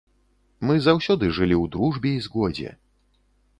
Мы заўсёды жылі ў дружбе і згодзе.